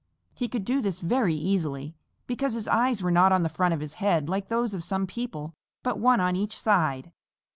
He could do this very easily, because his eyes were not on the front of his head like those of some people, but one on each side.